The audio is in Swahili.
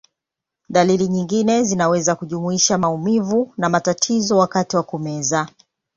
Dalili nyingine zinaweza kujumuisha maumivu na matatizo wakati wa kumeza.